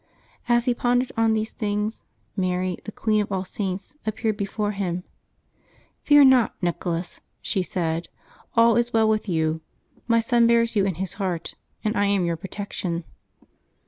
As he pondered on these things, Mary, the Queen of all Saints, appeared be fore liim. " Fear not, Nicholas," she said, " all is well with you : my Son bears you in His Heart, and I am. your protection."